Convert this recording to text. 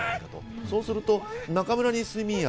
そうすると中村に睡眠薬。